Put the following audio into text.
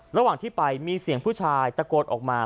ระหว่างที่ไปมีเสียงผู้ชายตะโกนออกมา